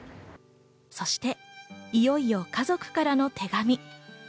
そして、いよいよ家族からの手紙。